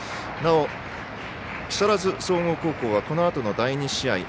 なお、木更津総合高校はこのあとの第２試合